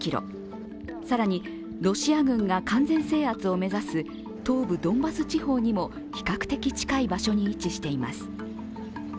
更に、ロシア軍が完全制圧を目指す東部ドンバス地方にも比較的近い場所に位置しています。